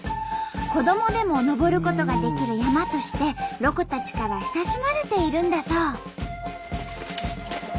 子どもでも登ることができる山としてロコたちから親しまれているんだそう。